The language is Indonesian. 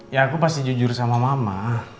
ya aku pasti jujur sama mama